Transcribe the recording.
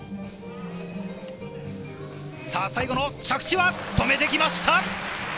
最後の着地は止めてきました。